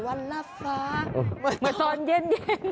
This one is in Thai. ตะวันลับฟ้าเหมือนตอนเย็น